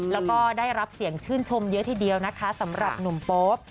แล้วก็ได้รับเสียงชื่นชมเยอะทีเดียวนะคะสำหรับหนุ่มโป๊ป